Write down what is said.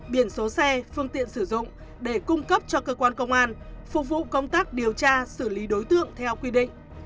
biển số xe phương tiện sử dụng để cung cấp cho cơ quan công an phục vụ công tác điều tra xử lý đối tượng theo quy định